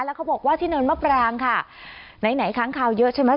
แล้วเขาบอกว่าที่เนินมะปรางค่ะไหนไหนค้างคาวเยอะใช่ไหม